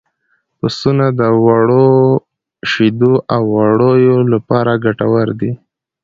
پسونه د وړو شیدو او وړیو لپاره ګټور دي.